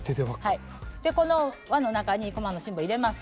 この輪の中にこまの芯を入れます。